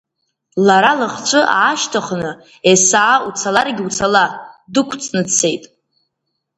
Лара лыхцәы аашьҭыхны есаа уцаларгьы уцала, дықәҵны дцет.